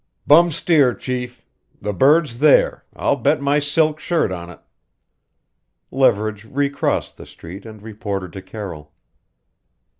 "Bum steer, chief! The bird's there I'll bet my silk shirt on it!" Leverage recrossed the street and reported to Carroll.